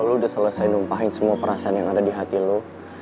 lo udah selesai numpahin semua perasaan yang ada di hati lo